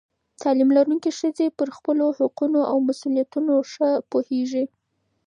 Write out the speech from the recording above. تعلیم لرونکې ښځې پر خپلو حقونو او مسؤلیتونو ښه پوهېږي.